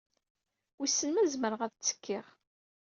Wissen ma zemreɣ ad ttekkiɣ.